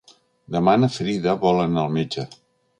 Demà na Frida vol anar al metge.